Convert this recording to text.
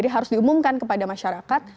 harus diumumkan kepada masyarakat